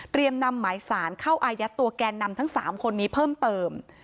นำหมายสารเข้าอายัดตัวแกนนำทั้ง๓คนนี้เพิ่มเติม